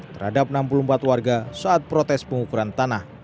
terhadap enam puluh empat warga saat protes pengukuran tanah